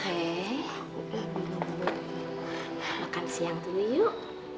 re makan siang dulu yuk